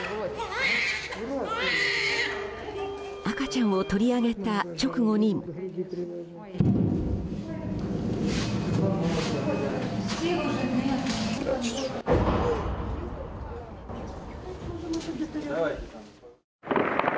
赤ちゃんを取り上げた直後にも。